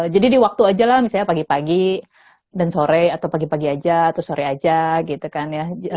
jadi diwaktu aja lah misalnya pagi pagi dan sore atau pagi pagi aja atau sore aja gitu kan